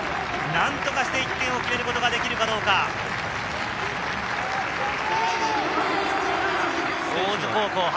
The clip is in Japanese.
何とかして１点を決めることができるかどうか、大津高校。